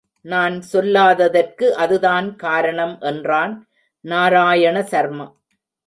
நான் சொல்லாததற்கு அதுதான் காரணம் என்றான் நாராயண சர்மா.